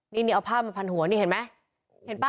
นี่เอาผ้ามาพันหัวนี่เห็นไหมเห็นป่ะ